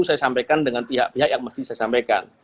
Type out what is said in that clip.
saya sampaikan dengan pihak pihak yang mesti saya sampaikan